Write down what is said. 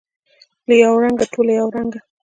له یوه رنګه، ټوله یو رنګه